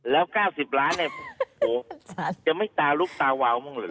แล้วเก้าสิบล้านเนี่ยโหจะไม่ตาลุกตาวาวมึงหรือ